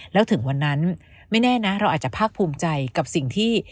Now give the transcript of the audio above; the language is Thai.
แล้วถึงวันนั้นไม่แน่นะเราอาจจะภาคภูมิใจกับสิ่งที่